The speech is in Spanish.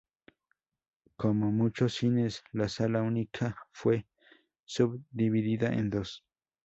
Como muchos cines, la sala única fue subdividida en dos.